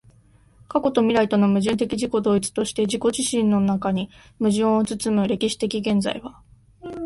過去と未来との矛盾的自己同一として自己自身の中に矛盾を包む歴史的現在は、